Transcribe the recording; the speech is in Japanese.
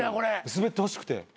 スベってほしくて。